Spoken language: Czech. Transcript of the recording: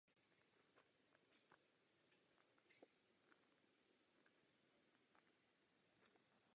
Za tento výkon byl odměněn cenou Fair Play.